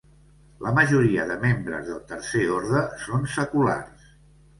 La majoria de membres del tercer orde són seculars.